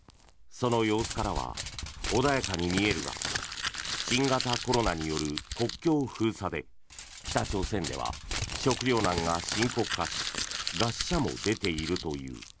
その様子からは穏やかに見えるが新型コロナによる国境封鎖で北朝鮮では食糧難が深刻化し餓死者も出ているという。